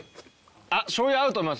あっ醤油合うと思います。